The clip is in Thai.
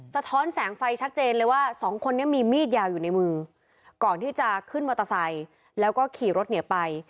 สะท้อนแสงไฟชัดเจนเลยว่าสองคนนี้มีมีดยาวอยู่ในมือก่อนที่จะขึ้นมอเตอร์ไซค์แล้วก็ขี่รถหนีไป